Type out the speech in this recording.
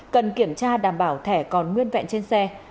cần kiểm tra đảm bảo thẻ còn nguyên vẹn trên xe